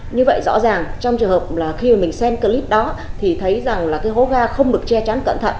như vậy rõ ràng trong trường hợp là khi mà mình xem clip đó thì thấy rằng là cái hố ga không được che chắn cẩn thận